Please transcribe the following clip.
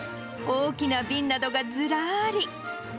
大きな瓶などがずらーり。